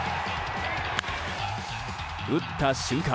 打った瞬間